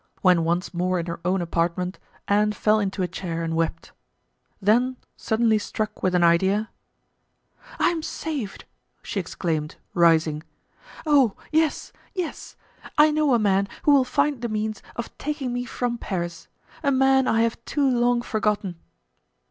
When once more in her own apartment Anne fell into a chair and wept; then suddenly struck with an idea: "I am saved!" she exclaimed, rising; "oh, yes! yes! I know a man who will find the means of taking me from Paris, a man I have too long forgotten."